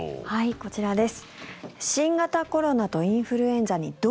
こちらです。